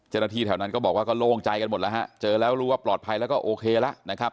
เจ้าหน้าที่แถวนั้นก็บอกว่าก็โล่งใจกันหมดแล้วฮะเจอแล้วรู้ว่าปลอดภัยแล้วก็โอเคแล้วนะครับ